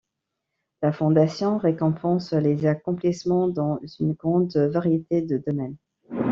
La fondation récompense les accomplissements dans une grande variété de domaines.